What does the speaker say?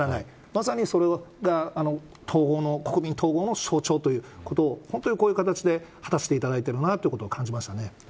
まさにそれが国民統合の象徴ということを本当にこういう形で果たしていただいているなと感じました。